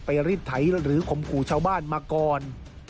รีดไถหรือข่มขู่ชาวบ้านมาก่อน